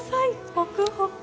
ホクホク！